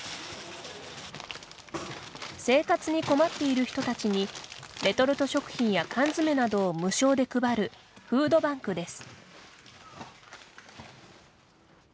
生活に困っている人たちにレトルト食品や缶詰などを無償で配るフードバンクです。